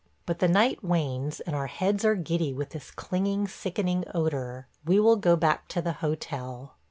... But the night wanes and our heads are giddy with this clinging, sickening odor. We will go back to the hotel.